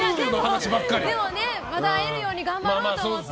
でも、また会えるように頑張ろうと思って。